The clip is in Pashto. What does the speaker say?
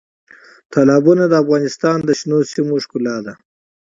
تالابونه د افغانستان د شنو سیمو ښکلا ده.